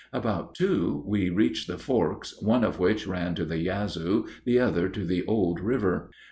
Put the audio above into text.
About two we reached the forks, one of which ran to the Yazoo, the other to the Old River.